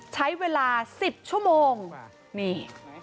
ใช้เวลา๑๐ชั่วโมงนี่